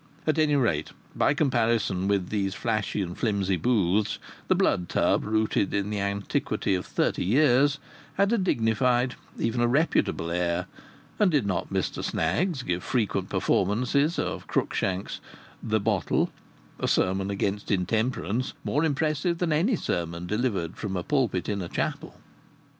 At any rate, by comparison with these flashy and flimsy booths, the Blood Tub, rooted in the antiquity of thirty years, had a dignified, even a reputable air and did not Mr Snaggs give frequent performances of Cruickshanks' The Bottle, a sermon against intemperance more impressive than any sermon delivered from a pulpit in a chapel?